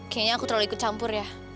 kayaknya aku terlalu ikut campur ya